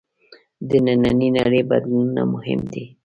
د نننۍ نړۍ بدلونونه مهم دي.